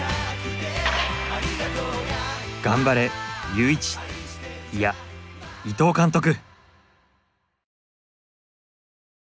頑張れユーイチいや伊藤監督！